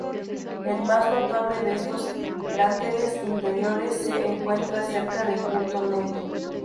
El más notable de estos cráteres interiores se encuentra cerca del punto medio.